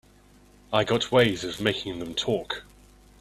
I got ways of making them talk.